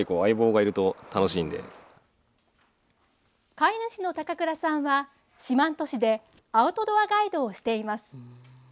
飼い主の高倉さんは四万十市でアウトドアガイドをしています。